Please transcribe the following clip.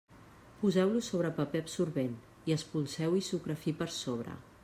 Poseu-los sobre paper absorbent, i espolseu-hi sucre fi per sobre.